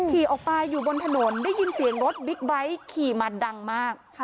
ขี่ออกไปอยู่บนถนนได้ยินเสียงรถบิ๊กไบท์ขี่มาดังมาก